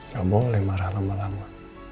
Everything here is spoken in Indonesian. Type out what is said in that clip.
gak boleh marah lama lama